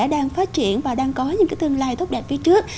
đang phát triển và đang có những tương lai tốt đẹp phía trước